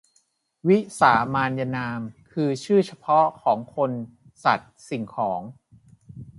วิสามานยนาม คือชื่อเฉพาะของคน สัตว์ สิ่งของ